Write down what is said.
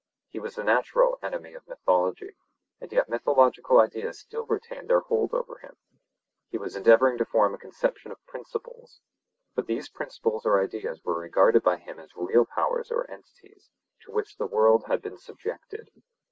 He was the natural enemy of mythology, and yet mythological ideas still retained their hold over him. He was endeavouring to form a conception of principles, but these principles or ideas were regarded by him as real powers or entities, to which the world had been subjected.